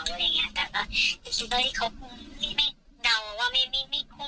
อะไรอย่างเงี้ยแต่ก็คิดว่าเขาคงไม่เดาว่าไม่ไม่พูด